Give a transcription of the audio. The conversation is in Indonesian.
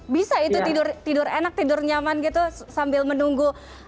bisa itu tidur enak tidur nyaman gitu sambil menunggu